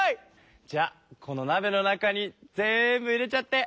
じゃあこのなべの中に全部入れちゃって。